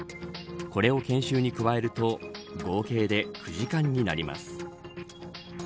これを研修に加えると合計で９時間になります。